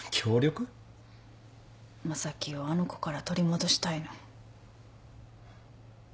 正樹をあの子から取り戻したいの。